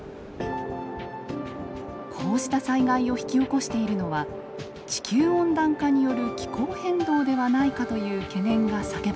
こうした災害を引き起こしているのは地球温暖化による気候変動ではないかという懸念が叫ばれています。